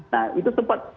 nah itu sempat